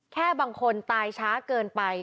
แค่บางคนตายช้าเกินไป